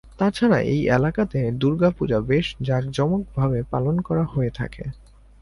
তাছাড়া এই এলাকাতে দুর্গা পূজা বেশ যাক-জোমকভাবে পালন করা হয়ে থাকে।